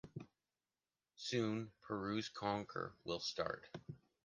Soon Peru’s conquer will start.